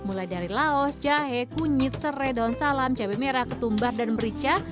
mulai dari laos jahe kunyit serai daun salam cabai merah ketumbar dan merica